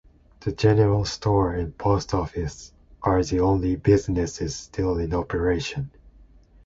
The general store and post office are the only businesses still in operation.